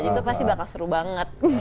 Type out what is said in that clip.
itu pasti bakal seru banget